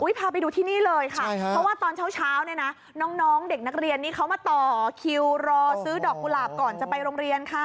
พาไปดูที่นี่เลยค่ะเพราะว่าตอนเช้าเนี่ยนะน้องเด็กนักเรียนนี่เขามาต่อคิวรอซื้อดอกกุหลาบก่อนจะไปโรงเรียนค่ะ